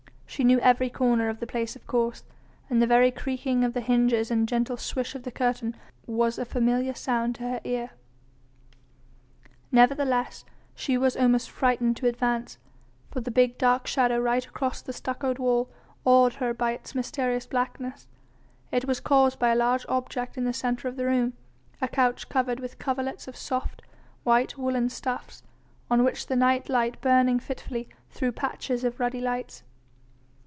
She knew every corner of the place of course, and the very creaking of the hinges and gentle swish of the curtain was a familiar sound to her ear. Nevertheless she was almost frightened to advance, for the big dark shadow right across the stuccoed wall awed her by its mysterious blackness. It was caused by a large object in the centre of the room, a couch covered with coverlets of soft, white woollen stuffs, on which the night light burning fitfully threw patches of ruddy lights.